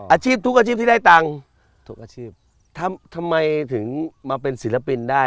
อาชีพทุกอาชีพที่ได้ตังค์ทำไมถึงมาเป็นศิลปินได้